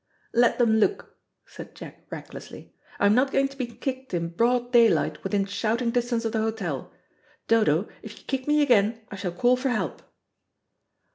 "Let them look," said Jack recklessly. "I'm not going to be kicked in broad daylight within shouting distance of the hotel. Dodo, if you kick me again I shall call for help."